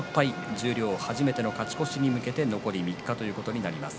十両初めての勝ち越しに向けて残り３日間ということになります。